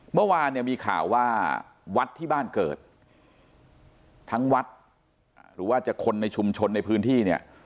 เมื่อวานเนี่ยมีข่าวว่าวัดที่บ้านเกิดทั้งวัดหรือว่าจะคนในชุมชนในพื้นที่เนี่ย